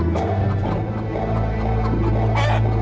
kau yang selalu memusahi ayahku